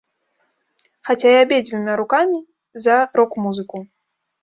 Хаця я абедзвюма рукамі за рок-музыку.